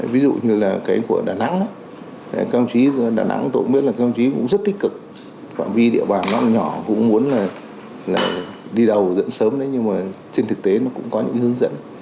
ví dụ như là cái của đà nẵng đà nẵng tổng biết là công trí cũng rất tích cực phạm vi địa bàn nóng nhỏ cũng muốn là đi đầu dẫn sớm đấy nhưng mà trên thực tế nó cũng có những hướng dẫn